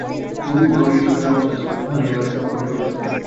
Gobi প্রহরী হিসাবে চমৎকার, তবে গুহা নির্মাণে তেমন পটু নয়।